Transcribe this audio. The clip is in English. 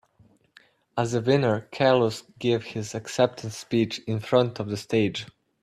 As a winner, Carlos give his acceptance speech in front of the stage.